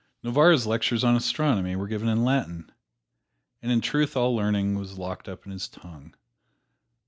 Novarra's lectures on astronomy were given in Latin, and in truth all learning was locked up in this tongue.